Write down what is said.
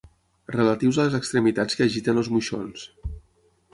Relatius a les extremitats que agiten els moixons.